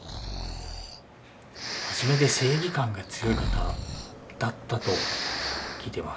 真面目で正義感が強い方だったと聞いてます。